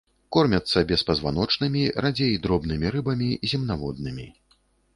Кормяцца беспазваночнымі, радзей дробнымі рыбамі, земнаводнымі.